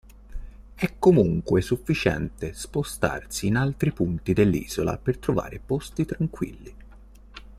È comunque sufficiente spostarsi in altri punti dell'isola per trovare posti tranquilli.